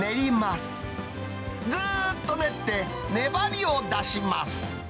ずっと練って、粘りを出します。